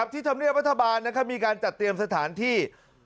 ที่ธรรมเรียกวัฒนาบาลมีการจัดเตรียมสถานที่